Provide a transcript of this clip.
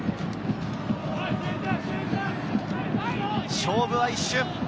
勝負は一瞬。